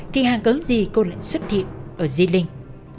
thì hàng cấu gì cô lại xuất hiện ở di linh